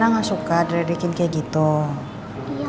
aku nggak suka di ledekin gitu ma